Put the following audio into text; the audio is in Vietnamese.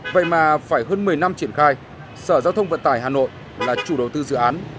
vậy mà phải hơn một mươi năm triển khai sở giao thông vận tải hà nội là chủ đầu tư dự án